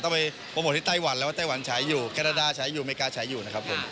ไปโปรโมทที่ไต้หวันแล้วว่าไต้หวันใช้อยู่แคนาดาใช้อยู่ไม่กล้าใช้อยู่นะครับผม